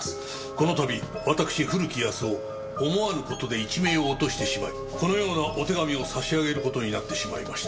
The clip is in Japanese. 「この度私古木保男思わぬことで一命を落としてしまいこのようなお手紙を差し上げることになってしまいました」